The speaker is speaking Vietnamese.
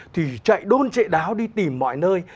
thì chạy đôn chệ đáo đi tìm mọi nơi